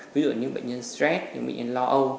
ví dụ như những bệnh nhân stress những bệnh nhân lo âu